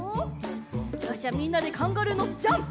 よしじゃあみんなでカンガルーのジャンプ！